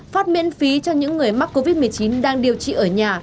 phát miễn phí cho những người mắc covid một mươi chín đang điều trị ở nhà